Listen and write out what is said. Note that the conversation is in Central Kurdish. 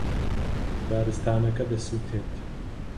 دارستانەکە دەسووتێت.